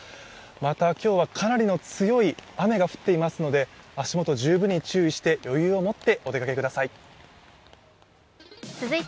また、今日はかなりの強い雨が降っていますので、足元、十分に注意して余裕を持ってお出かけください。